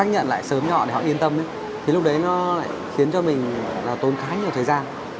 nó lại khiến cho mình là tốn khá nhiều thời gian